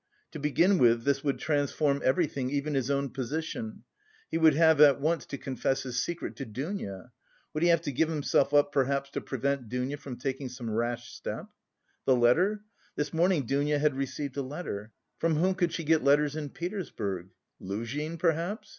To begin with, this would transform everything, even his own position; he would have at once to confess his secret to Dounia. Would he have to give himself up perhaps to prevent Dounia from taking some rash step? The letter? This morning Dounia had received a letter. From whom could she get letters in Petersburg? Luzhin, perhaps?